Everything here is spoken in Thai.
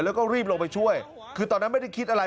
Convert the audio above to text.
แล้วก็รีบลงไปช่วยคือตอนนั้นไม่ได้คิดอะไร